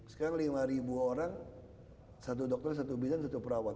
sekarang lima orang satu dokter satu bidan satu perawat